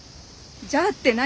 「じゃあ」って何？